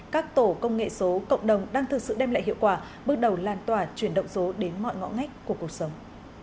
các tổ công nghệ số cộng đồng đang thực sự đem lại hiệu quả bước đầu lan tỏa chuyển động số đến mọi ngõ ngách của cuộc sống